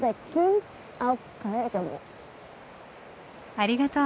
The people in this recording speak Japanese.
ありがとう。